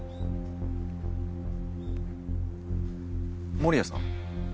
守屋さん？